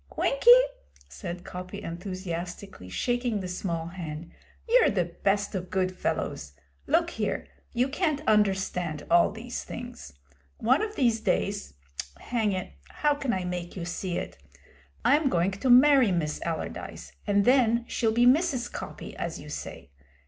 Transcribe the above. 'Winkie,' said Coppy enthusiastically, shaking the small hand, 'you're the best of good fellows. Look here, you can't understand all these things. One of these days hang it, how can I make you see it! I'm going to marry Miss Allardyce, and then she'll be Mrs. Coppy, as you say.